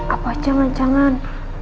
apa aja mancangan